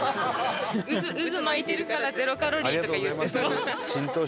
「渦巻いてるからゼロカロリー」とか言ってそう。